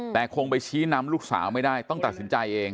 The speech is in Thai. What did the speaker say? แต่คงไปชี้นำลูกสาวไม่ได้ต้องตัดสินใจเอง